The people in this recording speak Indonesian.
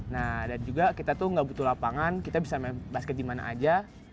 nah dan juga kita tuh gak butuh lapangan kita bisa main basket di mana aja